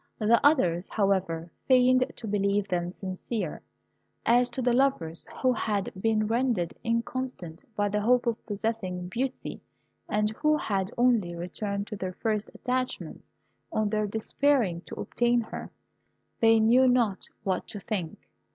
The others, however, feigned to believe them sincere. As to the lovers, who had been rendered inconstant by the hope of possessing Beauty, and who had only returned to their first attachments on their despairing to obtain her, they knew not what to think.